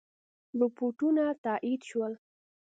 رپوټونه تایید شول.